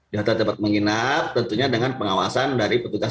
di hotel tempat menginap tentunya dengan pengawasan dari petugas